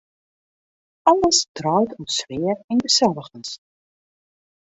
Alles draait om sfear en geselligens.